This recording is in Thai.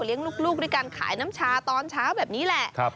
เลี้ยงลูกด้วยกันขายน้ำชาตอนเช้าแบบนี้แหละครับ